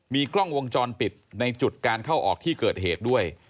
มีกล้องวงจรปิดในจุดการเข้าออกที่เกิดเหตุด้วย